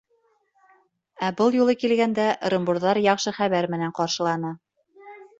Ә был юлы килгәндә ырымбурҙар яҡшы хәбәр менән ҡаршыланы.